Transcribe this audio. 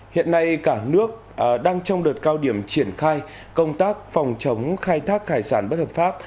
hiện nay cả nước đang trong đợt cao điểm triển khai công tác phòng chống khai thác hải sản bất hợp pháp